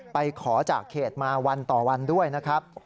ไปขอจากเขตมาวันต่อวันด้วยนะครับ